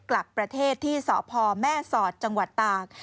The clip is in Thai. กลับประเทศที่สพแม่สอดจังหวัดตาก